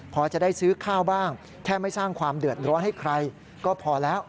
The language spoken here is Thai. พอจะได้ซื้อข้าวบ้างแค่ไม่สร้างความเดือดร้อนให้ใครก็พอแล้ว